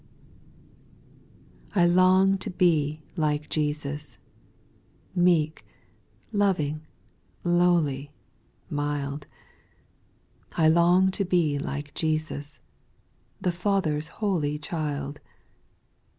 4 I long to be like Jesus, Meek, loving, lowly, mild ; I long to be like Jesus, The Father's holy child.